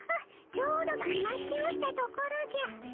ちょうどひましておったところじゃ。